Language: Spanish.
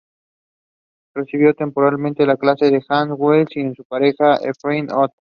Recibió temporalmente clases de "Hans Weigel" y de su pareja "Elfriede Ott".